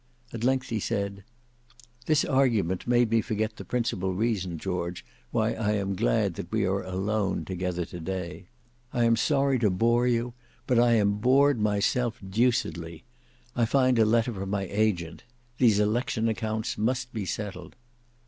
At length he said, "This argument made me forget the principal reason, George, why I am glad that we are alone together to day. I am sorry to bore you, but I am bored myself deucedly. I find a letter from my agent. These election accounts must be settled."